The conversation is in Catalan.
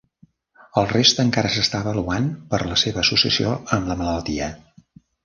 El reste encara s'està avaluant per la seva associació amb la malaltia.